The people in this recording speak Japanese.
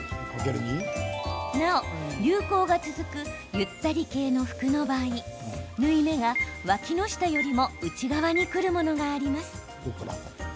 なお、流行が続くゆったり系の服の場合縫い目がわきの下よりも内側にくるものがあります。